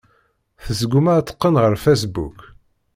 Tesguma ad teqqen ɣer Facebook.